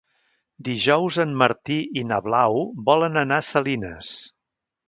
Dijous en Martí i na Blau volen anar a Salines.